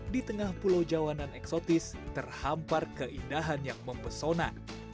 di tengah pulau jawanan eksotis terhampar keindahan yang mempesona